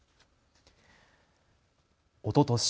おととし